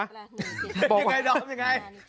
ยังไงดอมยังไง